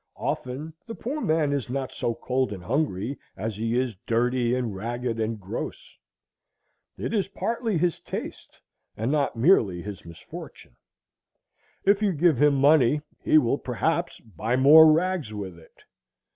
Often the poor man is not so cold and hungry as he is dirty and ragged and gross. It is partly his taste, and not merely his misfortune. If you give him money, he will perhaps buy more rags with it.